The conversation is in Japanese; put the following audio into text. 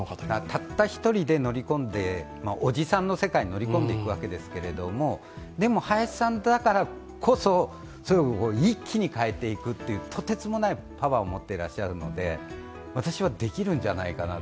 たった１人で、おじさんの世界に乗り込んでいくわけですけれども、でも林さんだからこそそれを一気に変えていくというとてつもないパワーを持っていらっしゃるので、私はできるんじゃないかな。